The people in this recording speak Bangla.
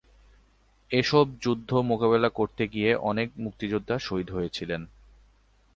এসব যুদ্ধ মোকাবেলা করতে গিয়ে অনেক মুক্তিযোদ্ধা শহীদ হয়েছিলেন।